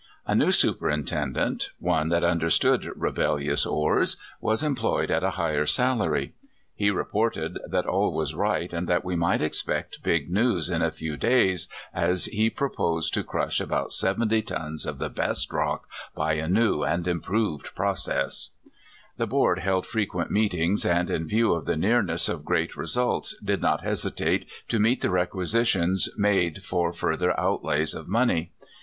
A new superintendent one that understood rebellious ores was employed at a higher salary. He reported that all was right, and that we might expect "big news" in a few days, as he proposed to crush about seventy tons of the best rock, "by a new and improved pro 164 CALIFORNIA SKETCHES. The board held frequent meetings, and in view of the nearness of great results did not hesitate to meet the requisitions made for further outlays of money.